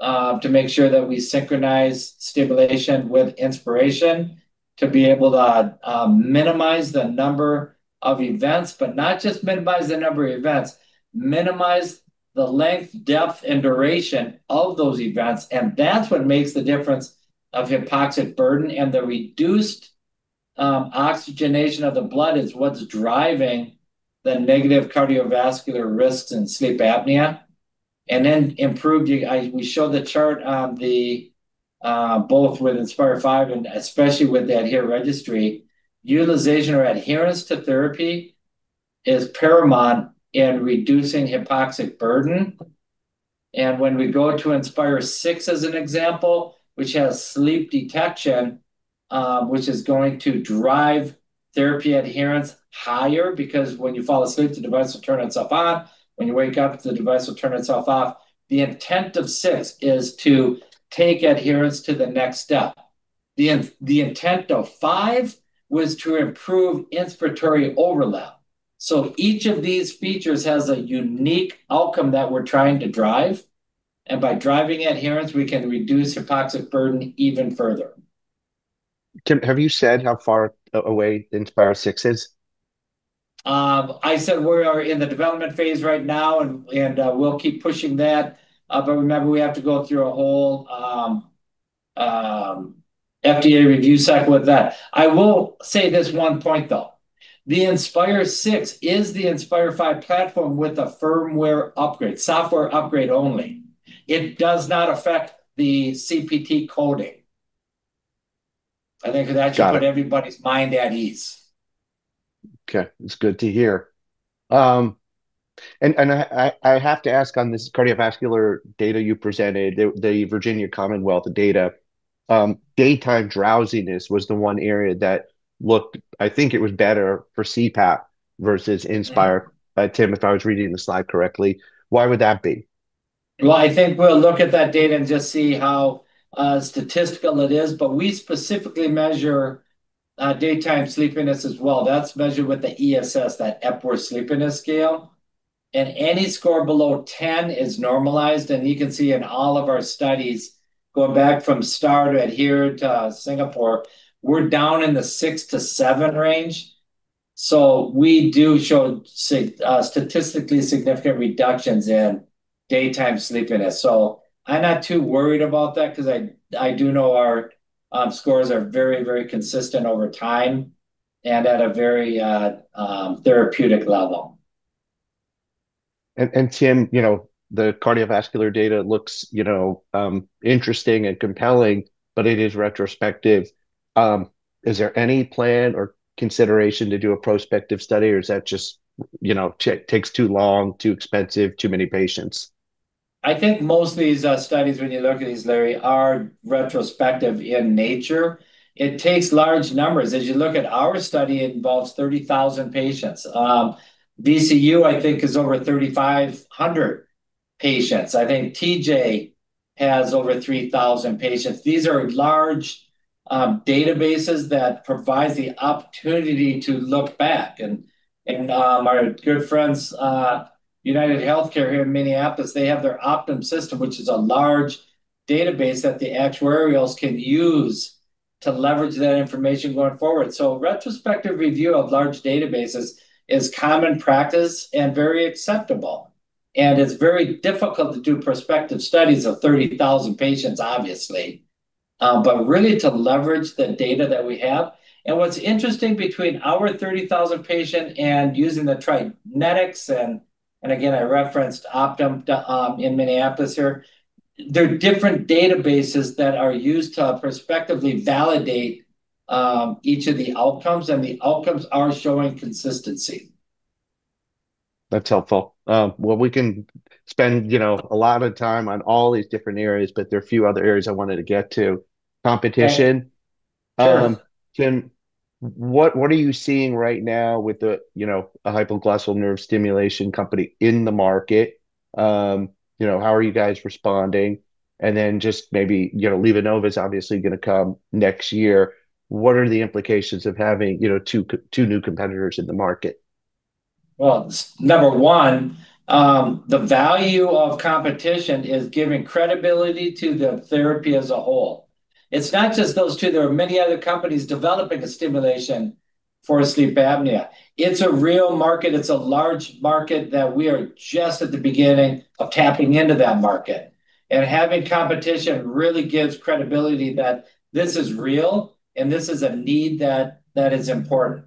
to make sure that we synchronize stimulation with inspiration to be able to minimize the number of events. Not just minimize the number of events, minimize the length, depth, and duration of those events, and that's what makes the difference of hypoxic burden, and the reduced oxygenation of the blood is what's driving the negative cardiovascular risks in sleep apnea. Then improved, we showed the chart on the, both with Inspire V and especially with ADHERE registry. Utilization or adherence to therapy is paramount in reducing hypoxic burden. When we go to Inspire VI as an example, which has sleep detection, which is going to drive therapy adherence higher, because when you fall asleep, the device will turn itself on. When you wake up, the device will turn itself off. The intent of Inspire VI is to take adherence to the next step. The intent of Inspire V was to improve inspiratory overlap. Each of these features has a unique outcome that we're trying to drive, and by driving adherence, we can reduce hypoxic burden even further. Tim, have you said how far away the Inspire VI is? I said we are in the development phase right now, and we'll keep pushing that. Remember, we have to go through a whole FDA review cycle with that. I will say this one point, though. The Inspire VI is the Inspire V platform with a firmware upgrade, software upgrade only. It does not affect the CPT coding. I think that should put everybody's mind at ease. Okay, that's good to hear. I have to ask on this cardiovascular data you presented, the Virginia Commonwealth data, daytime drowsiness was the one area that looked, I think it was better for CPAP versus Inspire, Tim, if I was reading the slide correctly. Why would that be? Well, I think we'll look at that data and just see how statistical it is. We specifically measure daytime sleepiness as well. That's measured with the ESS, that Epworth Sleepiness Scale. Any score below 10 is normalized, and you can see in all of our studies going back from STAR to ADHERE to Singapore, we're down in the six to seven range. We do show statistically significant reductions in daytime sleepiness. I'm not too worried about that because I do know our scores are very consistent over time and at a very therapeutic level. Tim, the cardiovascular data looks interesting and compelling, but it is retrospective. Is there any plan or consideration to do a prospective study, or is that just takes too long, too expensive, too many patients? I think most of these studies, when you look at these, Larry, are retrospective in nature. It takes large numbers. As you look at our study, it involves 30,000 patients. VCU, I think, is over 3,500 patients. I think TJ has over 3,000 patients. These are large databases that provide the opportunity to look back, and our good friends, UnitedHealthcare here in Minneapolis, they have their Optum system, which is a large database that the actuarials can use to leverage that information going forward. Retrospective review of large databases is common practice and very acceptable, and it's very difficult to do prospective studies of 30,000 patients, obviously. Really to leverage the data that we have. What's interesting between our 30,000 patient and using the TriNetX, and again, I referenced Optum in Minneapolis here, they're different databases that are used to prospectively validate each of the outcomes, and the outcomes are showing consistency. That's helpful. We can spend a lot of time on all these different areas, but there are a few other areas I wanted to get to. Competition. Sure. Tim, what are you seeing right now with a hypoglossal nerve stimulation company in the market? How are you guys responding? Just maybe, LivaNova's obviously going to come next year. What are the implications of having two new competitors in the market? Number one, the value of competition is giving credibility to the therapy as a whole. It's not just those two. There are many other companies developing a stimulation for sleep apnea. It's a real market. It's a large market that we are just at the beginning of tapping into that market. Having competition really gives credibility that this is real, and this is a need that is important.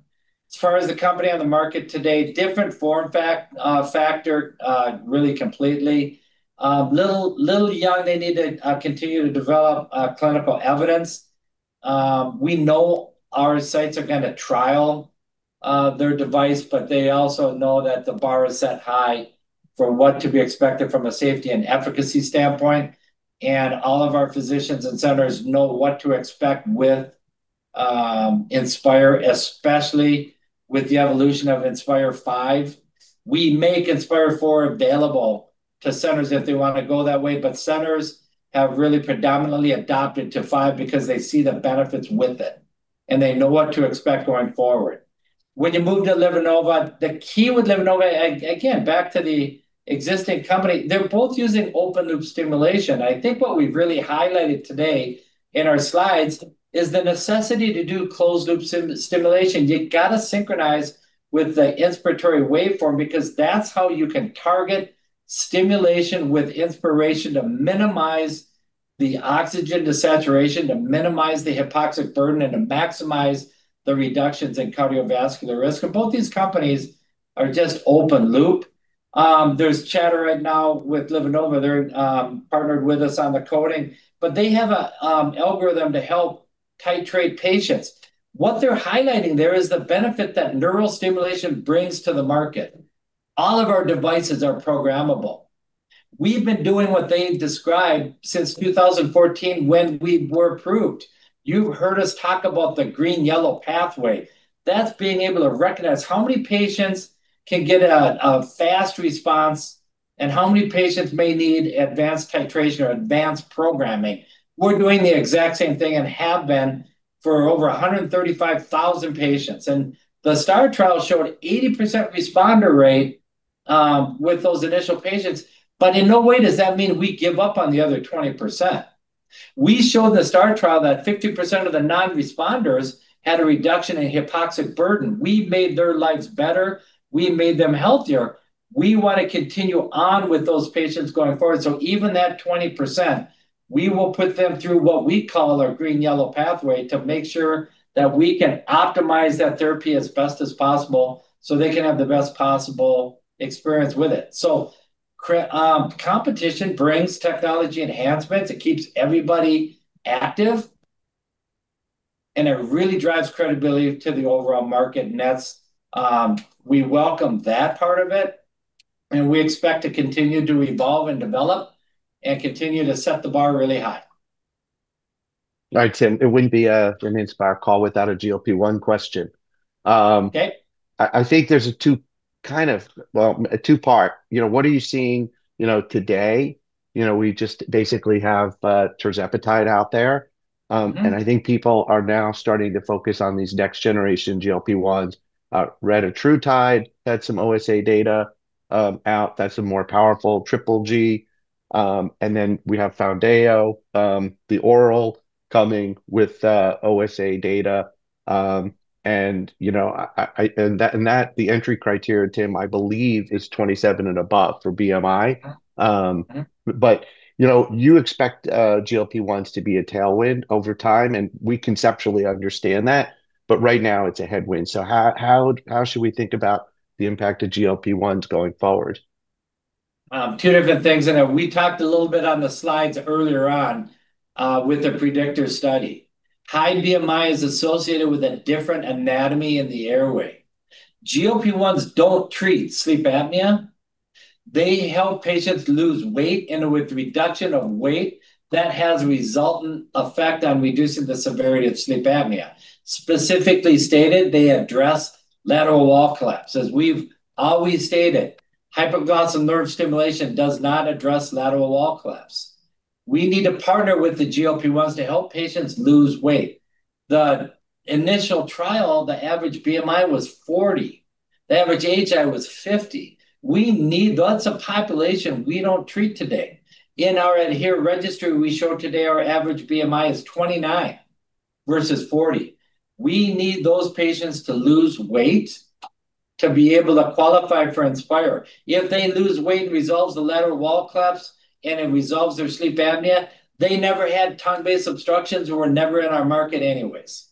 As far as the company on the market today, different form factor, really completely. A little young, they need to continue to develop clinical evidence. We know our sites are going to trial their device, but they also know that the bar is set high for what to be expected from a safety and efficacy standpoint. All of our physicians and centers know what to expect with Inspire, especially with the evolution of Inspire V. We make Inspire IV available to centers if they want to go that way, but centers have really predominantly adopted to Inspire V because they see the benefits with it, and they know what to expect going forward. When you move to LivaNova, the key with LivaNova, again, back to the existing company, they're both using open-loop stimulation. I think what we've really highlighted today in our slides is the necessity to do closed-loop stimulation. You got to synchronize with the inspiratory waveform because that's how you can target stimulation with inspiration to minimize the oxygen desaturation, to minimize the hypoxic burden, and to maximize the reductions in cardiovascular risk. Both these companies are just open-loop. There's chatter right now with LivaNova. They're partnered with us on the coding, but they have an algorithm to help titrate patients. What they're highlighting there is the benefit that neural stimulation brings to the market. All of our devices are programmable. We've been doing what they described since 2014 when we were approved. You heard us talk about the green-yellow pathway. That's being able to recognize how many patients can get a fast response and how many patients may need advanced titration or advanced programming. We're doing the exact same thing and have been for over 135,000 patients. The STAR trial showed 80% responder rate with those initial patients. In no way does that mean we give up on the other 20%. We showed the STAR trial that 50% of the non-responders had a reduction in hypoxic burden. We made their lives better. We made them healthier. We want to continue on with those patients going forward. Even that 20%, we will put them through what we call our green-yellow pathway to make sure that we can optimize that therapy as best as possible so they can have the best possible experience with it. Competition brings technology enhancements. It keeps everybody active, and it really drives credibility to the overall market. We welcome that part of it, and we expect to continue to evolve and develop and continue to set the bar really high. All right, Tim, it wouldn't be an Inspire call without a GLP-1 question. Okay. I think there's a two-part. What are you seeing today? We just basically have tirzepatide out there. I think people are now starting to focus on these next generation GLP-1s. Retatrutide had some OSA data out that's a more powerful triple agonist. Then we have Foundayo, the oral coming with OSA data. That, the entry criteria, Tim, I believe is 27 kg/sq m and above for BMI. You expect GLP-1s to be a tailwind over time, and we conceptually understand that, but right now it's a headwind. How should we think about the impact of GLP-1s going forward? Two different things in it. We talked a little bit on the slides earlier on with the PREDICTOR study. High BMI is associated with a different anatomy in the airway. GLP-1s don't treat sleep apnea. They help patients lose weight, and with reduction of weight, that has a resultant effect on reducing the severity of sleep apnea. Specifically stated, they address lateral wall collapse. As we've always stated, hypoglossal nerve stimulation does not address lateral wall collapse. We need to partner with the GLP-1s to help patients lose weight. The initial trial, the average BMI was 40 kg/sq m, the average AHI was 50. We need lots of population we don't treat today. In our ADHERE registry, we show today our average BMI is 29 kg/sq m versus 40 kg/sq m. We need those patients to lose weight to be able to qualify for Inspire. If they lose weight and resolves the lateral wall collapse and it resolves their sleep apnea, they never had tongue-based obstructions or were never in our market anyways.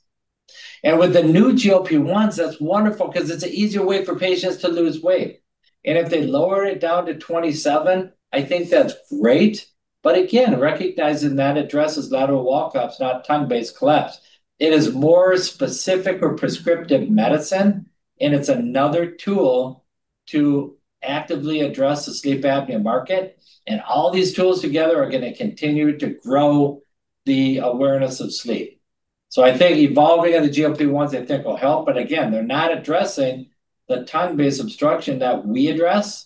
With the new GLP-1s, that's wonderful because it's an easier way for patients to lose weight. If they lower it down to 27 kg/sq m, I think that's great. But again, recognizing that addresses lateral wall collapse, not tongue-based collapse. It is more specific or prescriptive medicine, and it's another tool to actively address the sleep apnea market. All these tools together are going to continue to grow the awareness of sleep. I think evolving of the GLP-1s, I think will help, but again, they're not addressing the tongue-based obstruction that we address.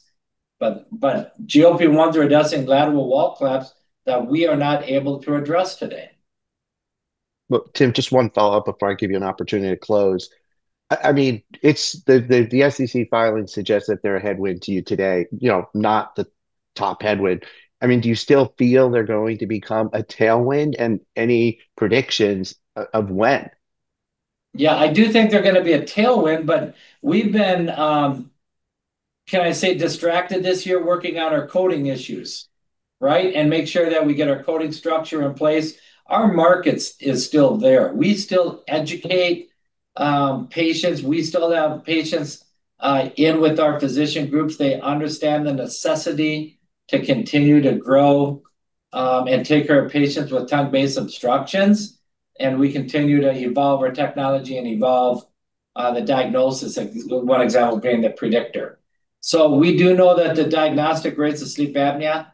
GLP-1s are addressing lateral wall collapse that we are not able to address today. Well, Tim, just one follow-up before I give you an opportunity to close. The SEC filing suggests that they're a headwind to you today, not the top headwind. Do you still feel they're going to become a tailwind and any predictions of when? Yeah, I do think they're going to be a tailwind, but we've been, can I say distracted this year working on our coding issues, right? Make sure that we get our coding structure in place. Our markets is still there. We still educate patients. We still have patients in with our physician groups. They understand the necessity to continue to grow, and take care of patients with tongue-based obstructions, and we continue to evolve our technology and evolve the diagnosis, one example being the PREDICTOR. We do know that the diagnostic rates of sleep apnea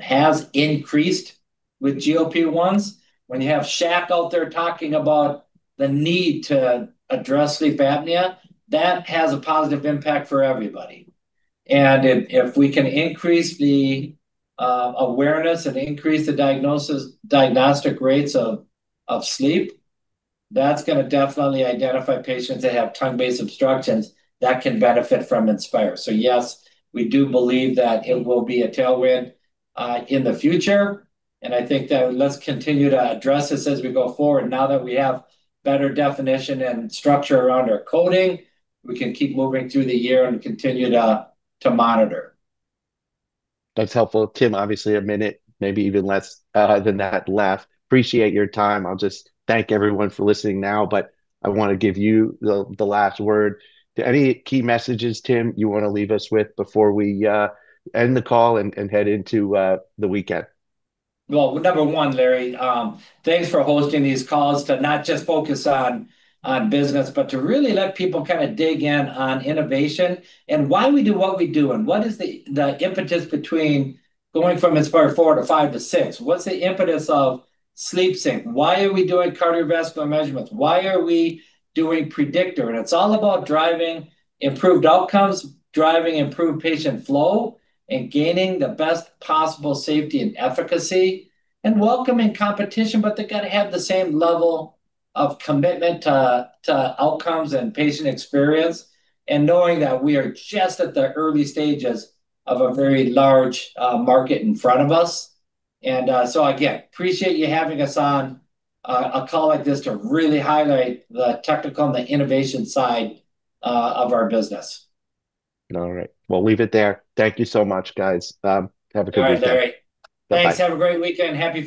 has increased with GLP-1s. When you have Shaq out there talking about the need to address sleep apnea, that has a positive impact for everybody. If we can increase the awareness and increase the diagnostic rates of sleep, that's going to definitely identify patients that have tongue-based obstructions that can benefit from Inspire. Yes, we do believe that it will be a tailwind in the future, and I think that let's continue to address this as we go forward. Now that we have better definition and structure around our coding, we can keep moving through the year and continue to monitor. That's helpful, Tim. Obviously, a minute, maybe even less than that left. Appreciate your time. I'll just thank everyone for listening now, but I want to give you the last word. Any key messages, Tim, you want to leave us with before we end the call and head into the weekend? Well, number one, Larry, thanks for hosting these calls to not just focus on business, but to really let people kind of dig in on innovation and why we do what we do and what is the impetus between going from Inspire IV to V to VI. What's the impetus of SleepSync? Why are we doing cardiovascular measurements? Why are we doing PREDICTOR? It's all about driving improved outcomes, driving improved patient flow, and gaining the best possible safety and efficacy, and welcoming competition, but they're going to have the same level of commitment to outcomes and patient experience. Knowing that we are just at the early stages of a very large market in front of us. Again, appreciate you having us on a call like this to really highlight the technical and the innovation side of our business. All right. We'll leave it there. Thank you so much, guys. Have a good weekend. All right, Larry. Bye. Thanks. Have a great weekend. Happy